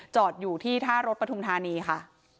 จอดอยู่ที่ท่ารถปฐุมธานีค่ะ